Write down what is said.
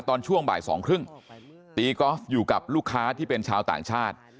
ตอนช่วงบ่ายสองครึ่งตีกอล์ฟอยู่กับลูกค้าที่เป็นชาวต่างชาติ